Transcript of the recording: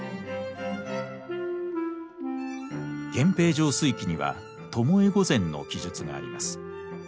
「源平盛衰記」には巴御前の記述があります。